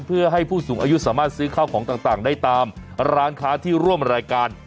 เพื่อให้ผู้สูงอายุสามารถซื้อข้าวของต่างได้ตามร้านค้าที่ร่วมรายการ